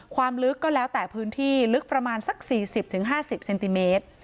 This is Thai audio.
ความลึกก็แล้วแต่พื้นที่ลึกประมาณสักสี่สิบถึงห้าสิบเซนติเมตร